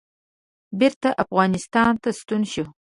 بېرته افغانستان ته ستون شوم.